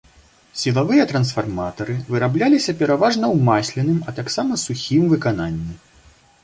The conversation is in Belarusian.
Сілавыя трансфарматары вырабляліся пераважна ў масленым, а таксама сухім выкананні.